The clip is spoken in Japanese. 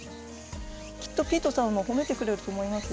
きっとピートさんも褒めてくれると思います